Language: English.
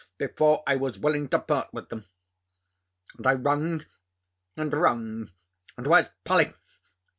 before I was willing to part with them. And I rung and rung, and "Where's Polly?"